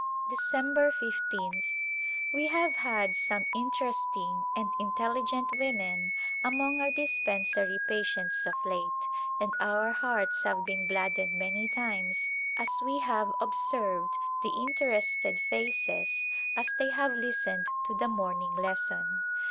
December l^th. We have had some interesting and intelligent women among our dispensary patients of late and our hearts have been gladdened many times as we have observed the interested faces as they have listened to the morning lesson.